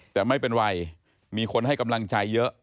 แต่ไม่เป็นไรมีคนให้กำลังใจเยอะ